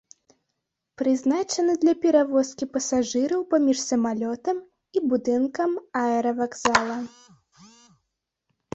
Прызначаны для перавозкі пасажыраў паміж самалётам і будынкам аэравакзала.